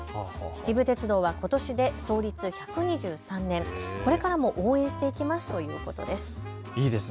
秩父鉄道はことしで創立１２３年、これからも応援していきますということです。